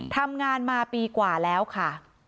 ทำงานมาปีกว่าแล้วค่ะ